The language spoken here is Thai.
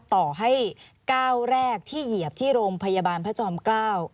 ต่อให้ก้าวแรกที่เหยียบที่โรงพยาบาลพระจอมเกล้า